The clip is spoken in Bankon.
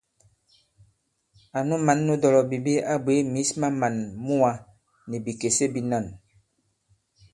Ànu mǎn nu dɔ̀lɔ̀bìbi a bwě mǐs ma màn muwā nì bìkèse bīnân.